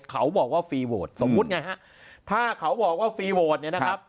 เขาบอกว่าฟรีโหวตสมมุติไงฮะถ้าเขาบอกว่าฟรีโหวตเนี่ยนะครับ